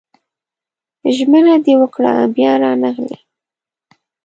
ژمنه دې وکړه بيا رانغلې